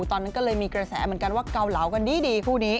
ตอนนั้นก็เลยมีกระแสเหมือนกันว่าเกาเหลากันดีคู่นี้